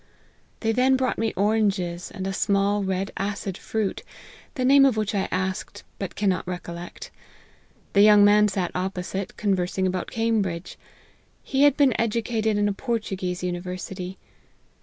They then brought me oranges, and a small red acid fruit, the name of which I asked, but cannot recol lect. The young man sat opposite, conversing abotft Cambridge ; he had been educated in a Por tuguese University.